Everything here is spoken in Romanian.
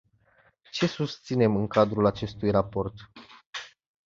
Ce susținem în cadrul acestui raport?